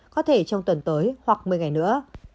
có thể trong tuần tới hoặc một mươi ngày nữa